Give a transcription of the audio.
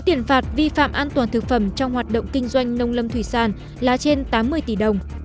tiền phạt vi phạm an toàn thực phẩm trong hoạt động kinh doanh nông lâm thủy sản là trên tám mươi tỷ đồng